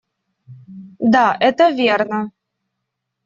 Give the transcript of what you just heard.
Да, это верно.